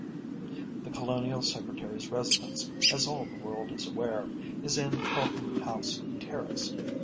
The Colonial Secretary's residence, as all the world is aware, is in Carlton House Terrace.